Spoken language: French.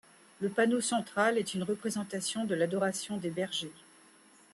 Le panneau central est une représentation de l'Adoration des bergers.